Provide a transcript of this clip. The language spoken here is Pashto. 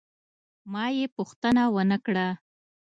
ما یې پوښتنه ونه کړه.